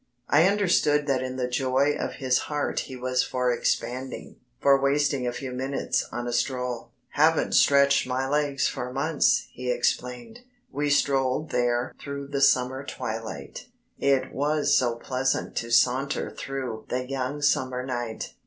I understood that in the joy of his heart he was for expanding, for wasting a few minutes on a stroll. "Haven't stretched my legs for months," he explained. We strolled there through the summer twilight. It was so pleasant to saunter through the young summer night.